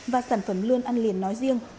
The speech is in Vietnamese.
và sản phẩm lươn ăn liền nói riêng